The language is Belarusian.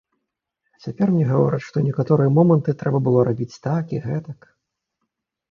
А цяпер мне гавораць, што некаторыя моманты трэба было рабіць так і гэтак.